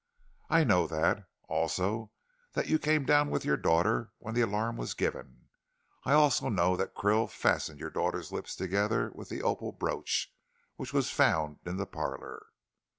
"I know that. Also that you came down with your daughter when the alarm was given. I also know that Krill fastened your daughter's lips together with the opal brooch which was found in the parlor."